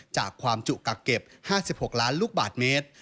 จากความจุกักเก็บ๕๖ล้านลูกบาทเมตร